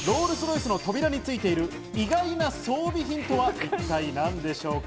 ロールス・ロイスの扉についている、意外な装備品とは一体、何でしょうか？